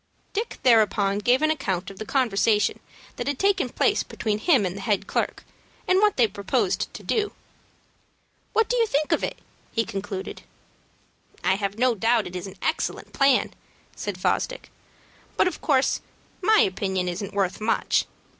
Dick thereupon gave an account of the conversation that had taken place between him and the head clerk, and what they proposed to do. "What do you think of it?" he concluded. "I have no doubt it is an excellent plan," said Fosdick; "but of course my opinion isn't worth much.